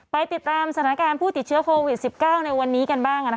ไปติดตามสถานการณ์ผู้ติดเชื้อโควิด๑๙ในวันนี้กันบ้าง